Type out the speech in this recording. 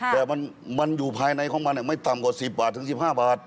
แต่มันอยู่ภายในของมันไม่ต่ำกว่า๑๐บาทถึง๑๕บาท